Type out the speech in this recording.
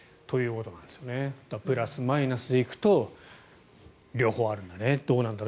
プラスマイナスでいくと両方あるんだね、どうなんだろう